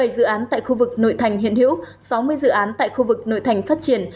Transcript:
một mươi dự án tại khu vực nội thành hiện hữu sáu mươi dự án tại khu vực nội thành phát triển